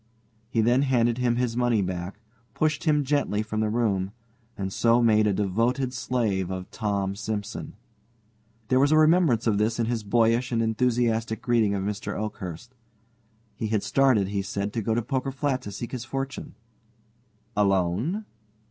He then handed him his money back, pushed him gently from the room, and so made a devoted slave of Tom Simson. There was a remembrance of this in his boyish and enthusiastic greeting of Mr. Oakhurst. He had started, he said, to go to Poker Flat to seek his fortune. "Alone?"